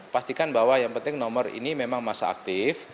pastikan bahwa yang penting nomor ini memang masa aktif